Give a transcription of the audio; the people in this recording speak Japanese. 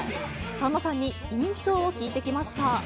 さんまさんに印象を聞いてきました。